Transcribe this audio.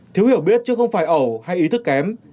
thiếu hiểu biết chứ không phải ẩu hay ý thức kém